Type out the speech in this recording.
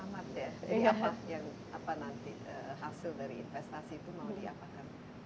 selamat ya jadi apa yang nanti hasil dari investasi itu mau diapakan